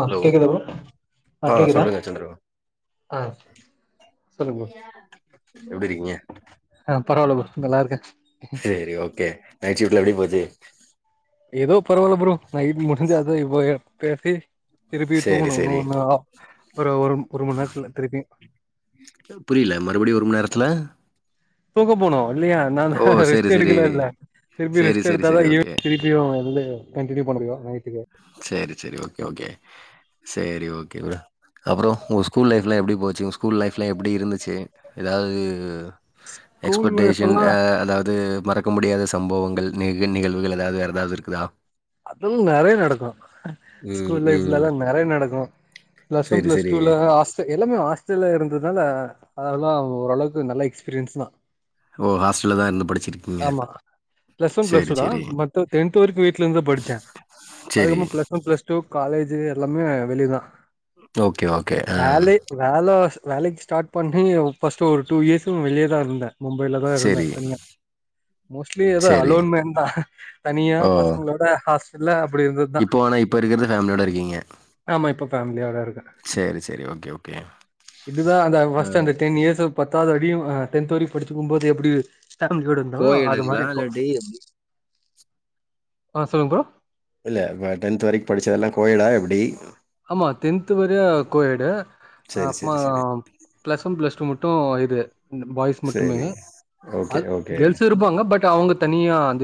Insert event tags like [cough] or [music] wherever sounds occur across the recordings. ஆ hello கேக்குதா ப ஆ கேக்குதா சொல்லுங்க சந்திரு ஆ சொல்லு ப்ரோ எப்டி இருக்கீங்க ஆ பரவாயில ப் நல்லா இருக்கே சேரி ஓகே நைட் [unintelligible] ஏதோ பரவாயில்ல ப்ரோ நைட் முடிஞ்சதா இப்போ பேசி திருப்பி சேரி தூங்கணு இன்னு சேரி ஒரு மணி நேரம் ஒரு ஒரு ஒரு மண நேரத்துல திருப்பி புரில மறுபடியு ஒரு மண் நேரத்துல தூங்க போனு இல்லயா ஓ அதனால சேரி ரெஸ்ட் சேரி எடுக்கல இல்ல திருப்பி சேரி ரெஸ்ட் சேரி எடுத்தாதா சேரி ஈவி ஓகே திருப்பியு வந்து கன்டினியூ பண்ண முடியு நைட்டுக்கு சேரி சேரி ஓகே ஓகே சேரி ஓகே உடு அப்புறோ உங்க ஸ்கூல் லைஃப்லா எப்பிடி போச்சி உங்க ஸ்கூல் லைஃப்லா எப்பிடி இருந்துச்சி ஏதாவது ஸ்கூல் எக்ஸ்பட்டேஷ் லைஃப்லா இந்த ஆ அதாவது து மறக்க முடியாத சம்பவங்கள் நிக நிகழ்வுகள் எதாவ்து வேற எதாவ்து இருக்குதா? அதுல் நெறைய நடக்கு ம் ஸ்கூல் ம் லைஃப்லல்லா நெறைய நடக்கு பிளஸ் ஒன் சேரி பிளஸ் சேரி டூல ஹாஸ்ட எல்லாமே ஹாஸ்டல்ல இருந்ததால அதெல்லா ஓரளவுக்கு நல்ல எக்ஸ்பீரியன்ஸ் தா ஓ ஹாஸ்டல்லதா இருந்து படிச்சிருக்கீங்க ஆமா சேரி செரி ட்லெந்து படிச்சே அதுக்கப்றமா plus one plus two college எல்லாமே வெளியதா ஓகே, ஓகே. அம். வேலெ வேல வேலைக்கு ஸ்டார்ட் பண்ணி ஃபஸ்ட் ஒரு டூ இயர்ஸு வெளிய தா இருந்தே மும்பைல தா இருந்தே சரி, தனியா மோஸ்ட்லி எதோ சரி. அலோன்மேன் தா தனியா ஓ! பசங்ளோட ஹாஸ் டல்ல இப்டி இருந்ததா இப்போ ஆனா இப்ப இருக்கிறது ஃபேமிலியோட இருக்கீங்க. ஆமா இப்ப ஃபேமிலியோட இருக்கே சரி, சரி. Okay, okay. இப்டிதா அந்த ஃபஸ்ட்டு ம். அந்த டென் இயர்ஸு பத்தாவுது அடியு அ டென்த்து வரயு படுச்சுக்கும்போது எப்டி ஃபேமிலியோடு இருந்தோ அது மாரி கோஎடுங்களா? இப்போ இல்லாட்டி எப்டி? ஆ சொல்லுங் ப்ரோ இல்ல இப டென்த்து வரைக் படுச்சதெல்லா கோயடா எப்டி ஆமா டென்த்து வரய கோயடு சரி, அப்மா சரி, சரி. பிளஸ் ஒன் பிளஸ் டூ மட்டு இது இல்ல பாய்ஸ் மட்டுமே சரி. அ ஓகே, கேர்ள்ஸு இருப்பாங்க பட் அவுங்க தனியா அ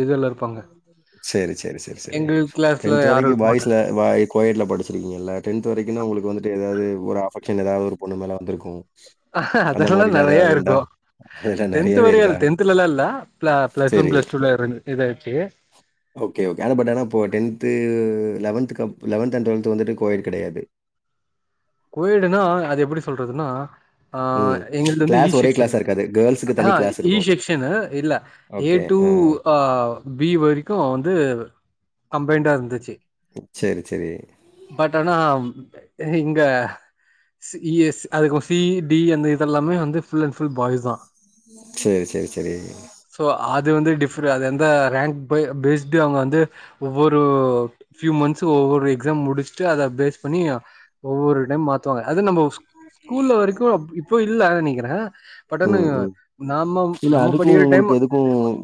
சேரி செரி செரி செரி எங்க கிளாஸ்ல டென்த்து யாரு வரைக்கு இருக்க பாய்ஸ்ல மாட்டாங்க பா‌ய் கோயட்ல படுச்சிருக்கீ ங்கல்ல டென்த்து வரைக்குனா உங்களுக்கு வந்துட்டு எதாது ஒரு அஃபக்ஷன் எதாவ்து ஒரு பொண்ணு மேல வந்துருக்கு அஹ்ஹ அதல்லா நெறைய இருக்கு அதெல்லாம் டென்த்து நெறையவே வரயுல் இருக்கா? டென்த்துலல்லா இல்ல ப்ள பிளஸ் ஒன் சரி. பிளஸ் டூல இருந்து இதாச்சு ஓகே ஓகே ஆனா பட் ஆனா இப்ப டென்த்து லெவன்த்துக்கப் லெவென்த்து அண்ட் ட்வெல்த்து வந்துட்டு கோயடு கெடயாது கோயடுனா அது எப்புடி சொல்றதுனா ஆ ம். எங்கள்து வந்து ஈ கிளாஸ் ஒரே செக்ஷன் கிளாஸா இருக்காது. கேர்ல்ஸ்க்கு தனி ஆஹ கிளாஸ் ஈ இருக்கும். செக்ஷனு இல்ல ஏ ஓகே. டு ஆ. அ பி வரைக்கு வந்து அம்ளைன்டா இருந்துச்சி சரி, சரி. பட் அனா எ இங் க்க சி எஸ் அதுகப்ற சி டி அந்த இத எல்லாமே வந்து ஃபுல் அண்ட் ஃபுல் பாய்ஸ் தா சேரி சேரி சேரி சோ அது வந்து டிஃபரு அது அந்த ரேங்க் பேஸ்டு அவங்க வந்து ஒவ்வொரு பியூ மந்த்ஸ் ஒவ்வொரு எக்ஸாம் முடிச்சுட்டு அத பேஸ் பண்ணி ஒவ்வொரு டைம் மாத்துவாங்க அது நம்ம ஸ்கூல்ல வரைக்கு இப்போ இல்ல நெனைக்கிறே பட் ம், ஆனாங்க ம். நாம் இல்ல அதுக்கு உங்களுக்கு எதுக்கு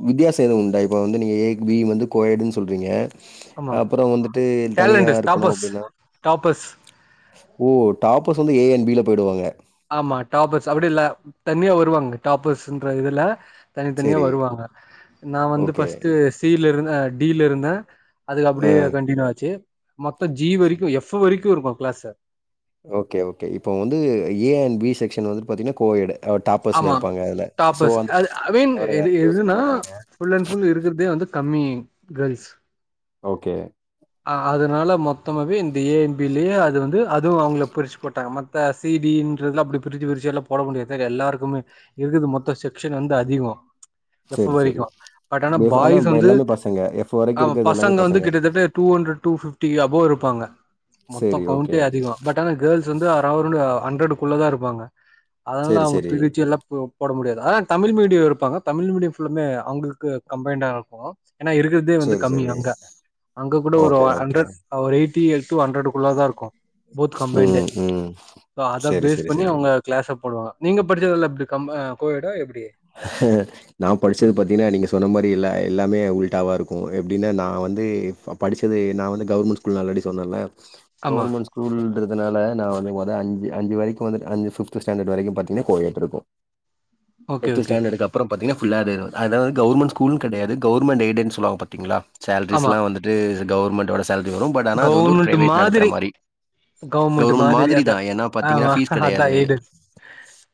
வித்தியாசோ எதுவு உண்டா இப்ப வந்து நீங்க ஏக் பி வந்து கொயடுனு சொ சொல்றீங்க ஆமா அப்பறோ வந்துட்டு தனியா டேலண்டஸ் இருக்கணு டாப்பர்ஸ் அப்டின்னா டாப்பர்ஸ் ஓ டாப்பஸ் வந்து ஏ என் பில போயிடுவாங்க ஆமா டாபர்ஸ் அப்டி இல்ல தனியா வருவாங்க டாப்பர்ஸ்ன்ற இதுல தனித்தனியா சரி. வருவாங்க நா வந்து ஓகே. ஃபஸ்டு சீ ல இருந்து டீல இருந்தே அதுக்கு அப்டியே ஆ. கண்டனியூ ஆச்சு மொத்தோ ஜி வரைக்கு எஃப் வரைக்கு [unintelligible] இருக்கு கிளாஸ்ல ஓகே ஓகே இப்போ வந்து ஏ அண்ட் பி செக்க்ஷன் வந்து பாத்தீங்கன்னா கோயடு ஆமா டாபஸ் அது அகைன் தவிர வேற எது எதுவும் யோசிக்க எதுன்னா மாட்டாங்க. ஃபுல்லன் அன் ஃபுல்லு இருக்கிறதே வந்து கம்மி கேர்ல்ஸ் ஓகே அதனால மொத்தமாவே இந்த ஏ என் பிலே அது வந்து அது அவங்கள பிரிச்சு போட்டாங்க மத்த சி டின்றதுலா அப்டி பிரிச்சி பிரிச்சி எல்லா போட முடியாது க்குற எல்லாருக்குமே இருக்குது மொத்தோ செக்க்ஷனு வந்து அதிகோ எஃப் சரி, சரி. வரைக்கு பட் ஆனா எஃப் பாய்ஸ் இப்ப வந்து எல்லாமே பசங்க. எஃப் வரைக்கும் ஆமா இருக்கிறது எல்லாமே பசங்க வந்து கிட்டத்தட்ட டூ ண்ட்ரட் டூ ஃபிப்டி டி யபோ இருப்பாங்க மொத்தோ சரி, ஓகே. கவுண்டே அதிகோ பட் ஆனா கேர்ள்ஸ் து வந்து அரவொரு ஹண்ட்ரடுக்குள்ளதா இருப்பாங்க அதனால சரி, அவுங்க சரி. பிரிச்சி எல்லா போட முடியாது ஆன தமிழ் மீடியோ யோ இருப்பாங்க தமிழ் மீடியோ ஃபுல்லுவே அவங்களுக்கு கம்பைண்டா இருப்பாங்க ஏன்னா இருக்கிறதே வந்து சரி, கம்மி சரி. அங்க அங்க கூட ஒரு ஓகே, ஓகே. ஹண்ரட் ஒரு எயிட்டி டூ ஹண்ட்ரடுக்குள்ள தா இருக்கு போத் கம்பைண்டே ம், ம். ஸோ அத சரி, பேஸ் சரி, பண்ணி சரி. அவங்க கிளாஸ நீங்க படிச்சதல்லா எப்டி கம் கோயேடா எப் ஆ நா படிச்சது பாத்தீங்கன்னா நீங்க சொன்ன மாரி பி இல்ல எல்லாமே உள்ட்டாவா இருக்கு எப்டின்னா நா வந்து படிச்சது நா வந்து கவர்மெண்ட் ஸ்க் ஆல்ரெடி சொன்னேல ஆமா கவர்மெண்ட் ஸ்கூல் இருக்குறதுனால நா வந்து மொத அஞ்சு அஞ்சு வயசு வரைக்கு வந்து ஃபிப்த்து ஸ்டாண்டட் வரைக்கு பத்தீங்ன கோயட்டு இருக்கு ஓகே ஃபிப்து ஓகே ஸ்டாண்டடுக்கு அப்றோ பாத்தீங்னா ஃபுல்லாவே அதுதா கவர்மெண்ட் ஸ்கூல்னு கெடயாது கவர்மெண்ட் எய்டடுனு சொல்லுவாங்க பாத்தீங்களா ஆமா சேலரீஸ்ல்லா வந்துட்டு கவர்மெண்ட் வேல ரொம்ப நாளா அது வந்து ஒரு கவர்மெண்ட் பிரைவேட் நடத்ற மாதிரி மாரி கவர்மெண்ட் மாதிரி தா ஏன்ன பாத்தீங்னா ஆமா பீஸ் அதா கெடயாது‌ எய்டட்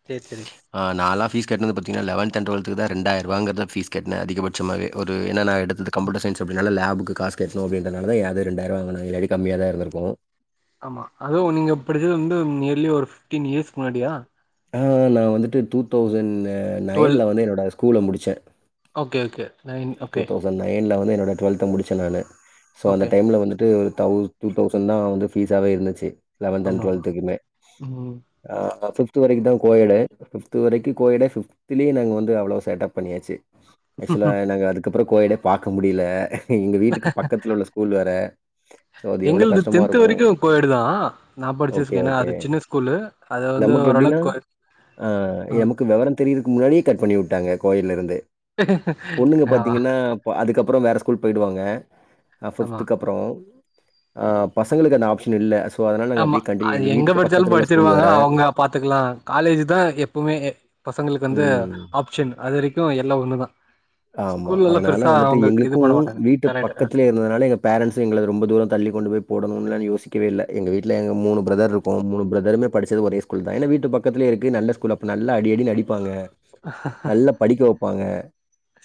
சேரி சேரி அ நாலா பீஸ் பாத்தீங்னா லெவன்த்து அன்ட் டுவல்த்துக்கு தா ரெண்டாயிர ரூபாங்குறதா பீஸ் கட்னே அதிகபட்சமாவே ஒரு ஏன்ன நா எடுத்தது கம்யூட்டர் சயின்ஸு அப்டிங்கிறதுனால லேபுக்கு காஸ் கெட்ணு அப்டிங்றனாலத எ கிட்ட ரெண்டுயிரம் வாங்ன ‌இல்லன கம்மியா தா இருந்துருக்கு ஆமா அதோ நீங்க படிச்சது வந்து நியர்லி ஒரு ஃபிப்டீன் இயர்ஸ் முன்னாடியா ஆ நா வந்துட்டு டூ தௌசண்ட் அ டுவெல் நைன்ல வந்து என்னோட அஸ் ஸ்கூல முடிச்சே okay okay nine two okay thousand நைன்ல வந்து அப்ப டுவல்த்த முடிச்சே நானு சோ அந்த ஓகே டைம்ல வந்துட்டு டொளக் டூ தௌசண்ட் தா வந்து ஃபீஸாவே இருந்துச்சு லெவன்த் அன் ஆமா ஆமா டு்வெல்த்துக்குமே ம் அ ஃபிப்த்து வரைக்கு தா கோயேடே ஃபிப்த்து வரைக்கு கோயட்டு ஃபிப்த்துலேயே நாங்க வந்து அவ்ளோ சேட்ட பண்ணியாச்சு ஆக்சுவலா என்னங்க அதுக்கப்றோ கோய்யடே பாக்க முடியல எங்க வீட்டுக்கு பக்கத்ல உள்ள ஸ்கூல் வேற அது எவ்ள எங்கள்து கஷ்டமா டென்த் இருக்கு வரைக்கு கோயடு தா நா ஒகே படிச்சதுக்கு ஏன்னா ஒகே அது சின்ன ஸ்கூலு அது வந்து நமக்கு எப்டினா ஓரளவுக்கு கோயட் அ ஆ எமக்கு வெவர தெரிய முன்னாடியே கட் பண்ணி விட்டாங்க கோயில இருந்தே ஆ ஏன்னா அதுக்க அப்றோ வேற ஸ்கூல் போயிடுவாங்க நா ஆமா ஃபிப்துக்கு அப்றோ அ பசங்களுக்கு அந்த ஆப்ஷன் இல்ல சொ ஆமா அது எங்க படிச்சாலு ஸ்கூல் படிச்சிருவாங்க வேற. அவுங்க பாத்துக்லா காலேஜ் தா எப்பவுமே பசங்களுக்கு வந்து ம். ஆப்ஷன் அது வரைக்கு எல்லா ஒன்னுதா ஆமா. ஸ்கூல்ல எல்லா அதனால பெருசா வந்துட்டு அவங்களுக்கு எங்களுக்கு இது பண்ண மாட்டாங்க வீட்டு கரெக்ட் ஆ பக்கத்லே இருந்ததுனால எங்க பேரன்சு எங்கள ரொம்ப தூர தள்ளி கொண்டு போய் போடணுன்லா யோ சிக்கவே இல்ல எங்க வீட்ல எங்க மூணு பிரதர் இருப்போ. மூணு பிரதருமே படிச்சது ஒரே ஸ்கூல் தா ஏன வீட்டு பக்கத்துலேயே இருக்கு. நல்ல ஸ்கூல் அப்ப நல்ல அடி அடின் அடிப்பாங்க நல்ல படிக்க வப் வாங்க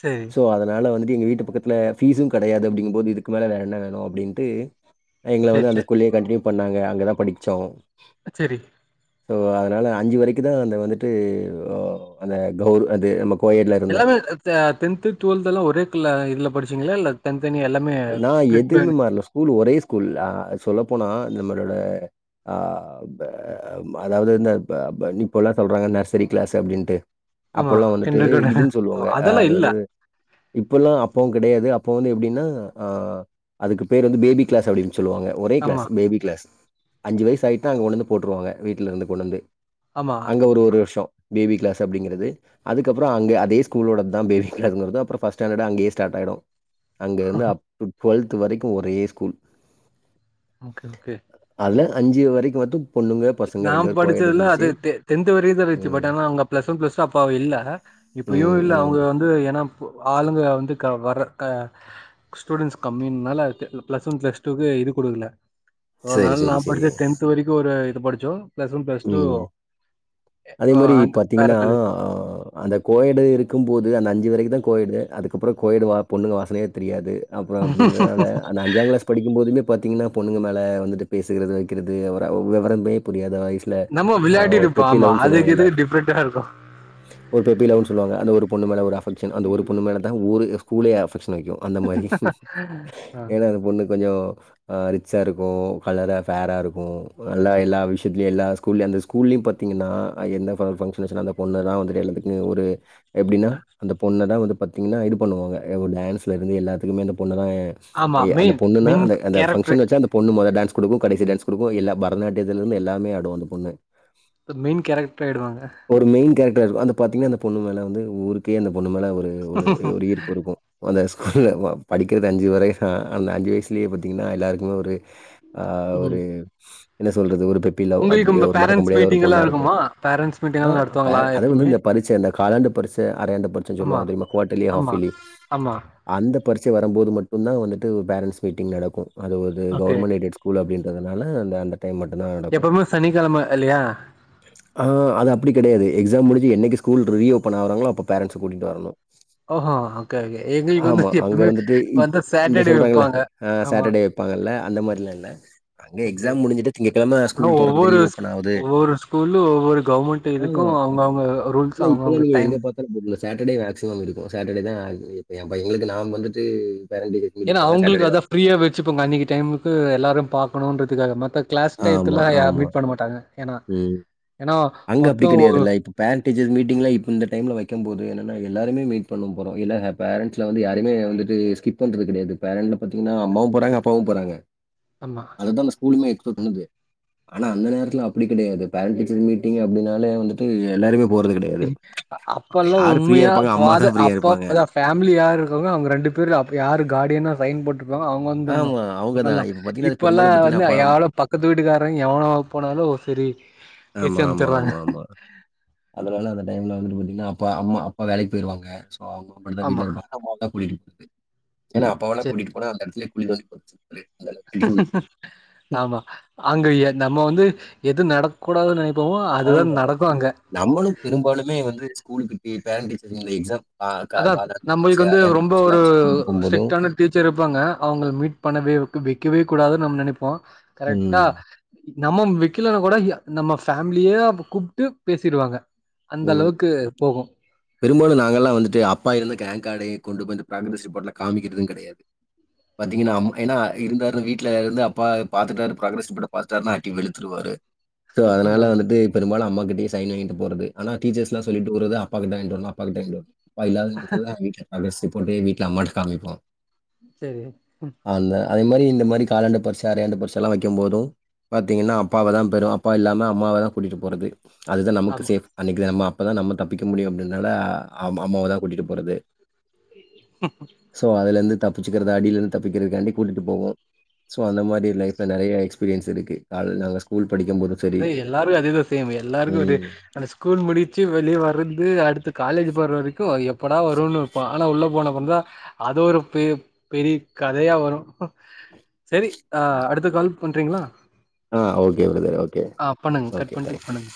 சேரி ஸோ அதனாலா வந்துட்டு எங்க வீட்டு பக்கத்துலா ஃபீஸும் கெடையாது அப்டிங்கும் போது இதுக்கு மேலே வேற என்ன வேணு அப்டின்ட்டு எங்கள சேரி வந்து அந்த சேரி ஸ்கூல்லேயே கண்டினியூ பண்ணாங்க அங்கதா படிச்சோ சேரி ஸோ அதனால அஞ்சு மணிக்கு தா அந்த வந்துட்டு அந்த. ஓ கௌர் அது நம்ம கோஎட்ல இருந்தேன். எல்லாமே ஆ டென்த்து டுவெல்தெல்லா ஒரே கள்ள இதுல படிச்சிங்களா இல்ல தனித்தனியா எல்லாமே நா ஸ்ப்ளிட் எதுமே பண்ணி மாறல ஸ்கூல் ஒரே ஸ்கூல் ஆ சொல்ல போனா நம்மளோட ஆ. தா அதாவது இந்த இப்பல்லா சொல்றாங்க நர்சரி க்ளாஸ் அப்டின்னுட்டு ஆமா. அப்பல்லா வந்துட்டு கிண்டர்கார்டன் இதுன் சொல்லுவாங்க ஆ அதெல்லாம் இல்ல. அதாவது இப்பல்லா அப்பவு கெடையாது அப் போது எப்டின்னா ஆ அதுக்கு பேரு வந்து பேபி க்ளாஸ் அப்டின் சொல்லுவாங்க ஒரே க்ளாஸ் ஆமா, பேபி க்ளாஸ் அஞ்சு வயசு ஆயிட்ட அங்க கொண்டுந்து போட்டுருவாங்க வீட்ல இருந்து கொண்டு வந்து ஆமா. அங்க ஒரு ஒரு வருஷ பேபி க்ளாஸ் அப்டிங்கறது அதுக் அப்புரோ அங்க அதே ஸ்கூலோட தா பேபி க்ளாஸ்ங்கறது அப்புற ஃபஸ்ட் ஸ்டாடட் அங்கேயே ஸ்டாட் ஆயிடும் அங்க இருந்து. அப் டுவெல்த் வரைக்கு ஒரே ஸ்கூல் ஓகே ஓகே அதுலா அஞ்சு வரைக்கு வத்தும் நா படிச்சதுல அது டென்த் டென்த்து வர தா இருச்சு ம். பட் ஆனா அவுங்க ப்ளஸ் ஒன் ப்ளஸ் அப்ப அவ இல்ல இப்பயு ம், இல்ல அவுங்க ம். வந்து ஏனா கோ ஆளுங்க வந்து. கா வர கா ஸ்டூடெண்ட்ஸ் கம்மினால ப்ளஸ் ஒன் ப்ளஸ் டூக்கு இது குடுக்கல சரி, அதனால நா சரி, படிச்ச சரிங்க. டென்த்து வரைக்கு ஒரு எத்து படிச்சோ ம் அதே அ மாரி அங்க வேற பாத்தீங்கன்னா காலேஜ். ஆ அந்த கோயடு இருக்கு போது அந்த அஞ்சு வரை அந்த கோய்டு அதுக்கப்புற கோயுட் வா பொண்ணுங்க வாசனையே தெரியாது அப்புற அப்டிங்கறனால அந்த அஞ்சாம் க்ளாஸ் படிக்கும்போதுமே பாத்தீங்கன்னா பொண்ணுங்க மேல வந்துட்டு பேசுறது வைக்கறது ஒரு விவ் விவரமே புரியாதா பெப்பில நம்ம ஆ ஒரு விளையாடிருப்போம். பெப்பி ஆமா. லவ். ஆ அதுக்கு சொல்லுவாங்கல்ல இதுக்கு டிஃபரெண்ட்டா இருக்கும். ஒரு பெப்பி லவ் சொல்லுவாங்க அந்த ஒரு பொண்ணு மேல ஒரு அஃப்க்ஷன் அந்த பொண்ணு மேலதா ஒரு கூலே ஆஃபிஸ் மய்கு அந்த மாரி ஆ. ஏனா அந்த பொண்ணு கொஞ்சோ அ ரிச்சா இருக்கு‌ கலரா ஃபேரா இருக்கு நல்லா எல்லா விஷ்யத்லயு எல்லா கூல்ல அந்த ஸ்கூல்லயு பாத்தீங்கன்னா அ எந்த ஃப ஃபங்ஷன்‌ வச்சாலு அந்த பொண்ணதா வந்துட்டு எல்லாத்துக்குமெ ஒரு எப்டின்னா அந்த பொண்ண தா வந்து பாத்தீங்னா இது பண்ணுவாங்க எ ஒ டான்ஸ்லருந்து எல்லாத்துக்குமே அந்த பொண்ணு தா ஆமா எ அந்த மெயின் பொண்ணுன்னா மெயின் அந்த அந்த கேரக்டர் ஃபங்ஷன் வச்சா அந்த பொண்ணு மொத டான்ஸ் குடுக்கு கடைசி டான்ஸ் குடுக்கு எல்லா பரதநாட்டியத்திலந்து எல்லாமே ஆடு அந்த பொண்ணு ப‌ மெயின் கேரட்ரு ஆயிடுவாங்க டர் வந்து பாத்தீங்ன அந்த பொண்ணு மேல வந்து ஊருக்கே அந்த பொண்ணு மேல ஒ [inaudible] மொத‌ ஸ்கூல்ல படிக்கிறது அஞ்சு வரையதா அந்த அஞ்சு வயசுலயே பாத்தீங்னா எல்லாருக்குமே ஒரு ஆ ம் ஒரு என்ன சொல்றது ஒரு பெப்பி அப்டி உங்களுக்கு உங்க ஒரு மறக்க பேரண்ட்ஸ் முடியாத ஒரு மீட்டிங் எல்லா பொண்ணா இருக்கு இருக்குமா பேரண்ட்ஸ் மீட்டிங் அ எல்லா பே நடத்துவாங்களா அதுவந்து எப்பவுமே அந்த பரிச்ச அந்த காலாண்டு பரிச்ச அரையாண்டு பரிச்சன் ஆமா சொல்வாங்க தெரியுமா கோட்டலி ஆமா ஹாஃபெலி ஆமா அந்த பரிச்ச வரும்போது மட்டுந்தா வந்துட்டு பேரண்ட்ஸ் மீட்டிங் நடக்கு அதுவது ஓகே கவர்மென்ட் எய்டெட் ஸ்கூல் அப்டின் றதுனால அந்த அந்த டைம் மட்டு‌ தா நடக்கு எப்பவுமே சனிக்கிழமை இல்லையா ஆ அது அப்டி கெடயா து எக்ஸாம் முடிஞ்சு என்னக்கி ஸ்கூல் ரி ஓப்பன் ஆவுராங்களோ அப்ப பேரன்ட்ஸ கூட்டிட்டு வரனு ஓஹோ ஓகே ஓகே எங்களுக்கு வந்து ஆமா அங்க எப்பவுமே வந்துட்டு இப் வந்து இந்த சாட்டர்டே சொல்றாங்கல்ல வைப்பாங்க ஆ ஆமா சேட்டர்டே வப்பாங்கல்ல அந்த மார்லா இல்ல அங்க எக்ஸாம் முடிஞ்சுட்டு திங்ககெழம அனா ஒவ்வொரு ஒவ்வொரு ஸ்கூல்லு ஒவ்வொரு கவர்மெண்ட் இதுக்கு ஆமா. அப் அவுங்கவுங்க ரூல்ஸு அவுங்கவுங்க டைம் மேக்சிமம் இருக்கு சாட்டர்டே தா‌ இப்ப ஏ பை எங்ளுக்கு நாம் வந்துட்டு பேரண்ட் டீச்சர்ஸ் ஏனா மீட்டிங் போறதா அவுங்கள்க்கு சாட்டர்டே அதா தான். ஃப்ரீயா வச்சுப்போங்க அன்னைக்கு டைமுக்கு எல்லாரு பாக்கணுன்றதுக்காக ம க்ளாஸ் ஆமா, டயத்துல யார் ஆமா. மீட் பண்ண மாட்டாங்க எனா ம். எனா அங்க அப்டி கெடையாதுல்ல இப்ப பேரன்ட் டீச்சர் மீட்டிங்ல இப்ப இந்த டைம்ல வைக்கம் போது என்னனா எல்லாருமே மீட் பண்ணோ போறோ இல்லங்க பேரன்ஸ்ல வந்து யாருமே வந்துட்டு ஸ்கிப் பண்றது கெடையாது பேர்ன்ல பாத்தீங்கன்னா அம்மாவு போறாங்க அப்பாவு போறாங்க ஆமா அதுதா அந்த ஸ்கூலுமே சொன்னது ஆனா அந்த நேரத்துல அப்டி கெடையாது பேரண்ட் டீச்சர் மீட் ட்டிங்க அப்டின்னாலே வந்துட்டு எல்லாருமே இ கிடையாது. அப்பல்லா யாரு ஃப்ரீயா உண்மையா இருப்பாங்க? அம்மா தான் ஃபாதர் ஃப்ரீயா அப்பா இருப்பாங்க. ஃபேமிலி யார் இருக்காங்களோ அவங்க ரெண்டு பேர் அப்டி யாரு காடியனா சைன் போட்டு ப்ப அவங்க வந்துரனு ஆமா. அவங்க தான். முண்ணல்லா பார்த்தீங்கன்னா, அது இப்ப எல்லா பெரும்பாலும் பார்த்தீங்கன்னா, வந்து அப்பா யளோ பக்கத்து வீட்டுக்காரே எவனோ போனாலு செரி ஆமா ஆமா ஆமா ஆமா அதனா அப்பலா அந்த டைம்ல வந்துட்டு பாத்தீங்கன்னா அப்பா அம்மா அப்பா வேலைக்கு போயிருவாங்க அவங்க மட்டிந்தா ஆமா. வீட்ல இருப்பாங்க அம்மாவதா கூடிட்டு [unintelligible] ஏனா அப்பாவெலா சரி. கூட்டிட்டு போனா அந்த எடத்துலே குழி தோன்டி பொதச் ஆமா ஆங்க ஏ நம்ம வந்து எது நடக்கூடாதுன்னு ஆய் ஆமா நம்மளு பெரும்பாலுமே வந்து ஸ்கூலுக்கு கிட்டயே பேரன் டீச்சர்ங்கள எக்ஸாம் அதா காலாண்டு நம்ளுக்கு பரீட்சை, வந்து அரையாண்டு ரொம்ப பரீட்சை ஒரு எல்லாம் வச்சு கூட்டிட்டு போகும்போதும் ஸ்ட்ரிக்ட்டான டீச்சர் இருப்பாங்க அவுங்கள மீட் பண்ணவே [unintelligible] வைக்கவே கூடாதுனு நம்ம நெனப்போ கரெக்டா ம் நம்ம வைக்கலனா கூட நம்ம ஃபேம்லியே கூப்ட்டு பேசிடுவாங்க அந்த அளவுக்கு போகு பெரும்பாலு நாங்கெல்லா வந்துட்டு அப்பா இருந்து ரேங் கார்டு கொண்டு போய் இந்த ப்ராக்ரஸ் ரிப்போர்ட்லா காமிக்கிறது கெடையாது பாத்தீங்கன்னா அம் ஏன்னா இருந்தாலு வீட்டுல இருந்து அப்பா பாத்துட்டாரு ப்ராக்ரஸ் ரிப்போட்ட பாத்துட்டாருன்னா அடி வெழுத்துருவாரு சோ அதனால ஆமா வந்துட்டு பெரும்பாலு அம்மா கிட் டியே சைன் வாங்கிட்டு போறது‌ ஆனா டீச்சர்ஸ்லா சொல்லிட்டு போரது அப் அப்பாக்கிட்டா வாங்கிட்வரனு அப்பாக்கிட்ட வான்ட் வரனு அப்பா இல்லாதவங்க கிட்டதா [unintelligible] போடே வீட்ல அம்மாட்ட காமிப்போ சேரி உ அதே மாரி இந்த மாரி காலாண்டு பரிட்ச அரையாண்டு பரிட்செல்லா வைக்கும்போது பாத்தீங்கன்னா அப்பாவ தா பெரு அப்பா இல்லாம அம்மாவ தா கூட்டிட்டு போறது அதுதா நமக்கு ஆமா சேஃப் அன்னைக்கு நம்ம இப்பதா நம்ம தப் பிக்க முடியும் அப்பிடினால அம் அம்மோவ தா கூட்டிட்டு போறது சோ அதுலந்து தப்புச்சுக்கறது அடியிலந்து தப்பிக்கிறதுக்காண்டி கூட்டிட்டு போவோ சோ அந்த மாரி ஃலைப்ல நெறைய எக்ஸ்பீரியன்ஸ் இருக்கு கால் நாங்க ஸ்கூல் படிக்கும்போதும் சரி. அப்பிடியே எல்லாரு அதேதா சேம் எல்லாருக்கு ஒரு ம். அந்த ஸ்கூல் முடிச்சி வெளியே வர இருந்து அடுத்து காலேஜ் போற வரைக்கு எப்படா வரும்னுப்போ ஆனா உள்ள போனப்பதா அது ஒரு பெ பெரிய கதையா வரு செரி ஆ அடுத்த கால் பண்றீங்களா ஆ ஓகே ப்ரதர் ஓ ஆ பண்ணுங்க கட் பண்ட்டு பண்ணுங்க